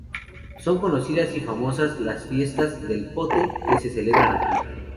Son conocidas y famosas las fiestas del pote que se celebran aquí.